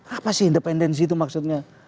apa sih independensi itu maksudnya